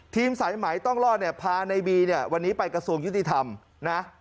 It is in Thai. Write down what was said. สายไหมต้องรอดเนี่ยพาในบีเนี่ยวันนี้ไปกระทรวงยุติธรรมนะ